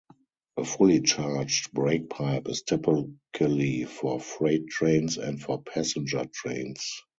A fully charged brake pipe is typically for freight trains and for passenger trains.